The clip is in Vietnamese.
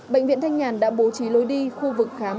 bệnh viện thanh nhàn đã bố trí lối đi khu vực khám